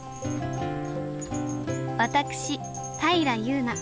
私平祐奈。